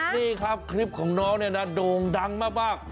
นี่ครับคลิปของน้องเนี่ยนะโด่งดังมาก